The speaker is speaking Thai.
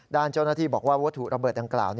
ด้านเจ้าหน้าที่บอกว่าวัตถุระเบิดดังกล่าว